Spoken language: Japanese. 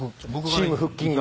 チーム腹筋が。